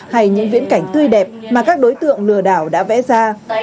hay những viễn cảnh tươi đẹp mà các đối tượng lừa đảo đã vẽ ra